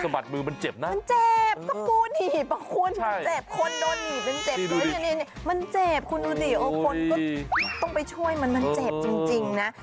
มันเจ็บคุณดูสิต้องไปช่วยมันมันเจ็บจริงนะ